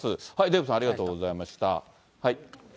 デーブさん、ありがとうございました。